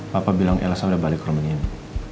papa bilang elsa udah balik ke rumah nino